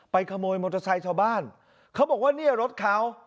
ขโมยมอเตอร์ไซค์ชาวบ้านเขาบอกว่าเนี่ยรถเขา